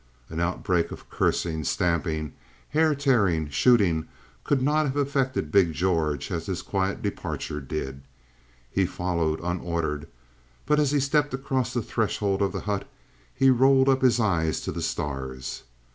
An outbreak of cursing, stamping, hair tearing, shooting could not have affected big George as this quiet departure did. He followed, unordered, but as he stepped across the threshold of the hut he rolled up his eyes to the stars.